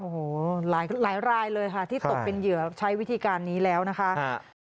โอ้โหหลายรายเลยค่ะที่ตกเป็นเหยื่อใช้วิธีการนี้แล้วนะคะ